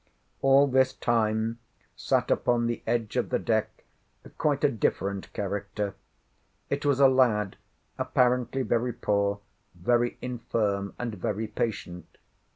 All this time sat upon the edge of the deck quite a different character. It was a lad, apparently very poor, very infirm, and very patient.